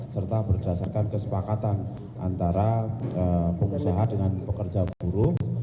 serta berdasarkan kesepakatan antara pengusaha dengan pekerja buruh